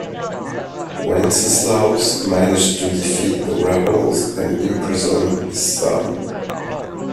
Wenceslaus managed to defeat the rebels and imprisoned his son.